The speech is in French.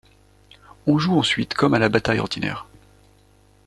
On joue ensuite comme à la bataille ordinaire.